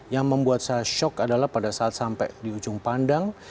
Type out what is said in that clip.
yang membuat saya shock adalah pada saat sampai di ujung pandang